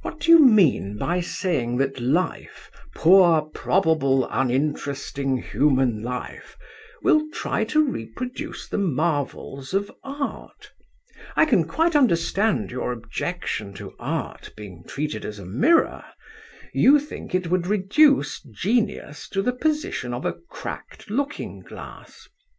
What do you mean by saying that life, 'poor, probable, uninteresting human life,' will try to reproduce the marvels of art? I can quite understand your objection to art being treated as a mirror. You think it would reduce genius to the position of a cracked looking glass.